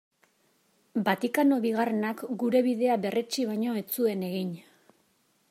Vatikano Bigarrenak gure bidea berretsi baino ez zuen egin.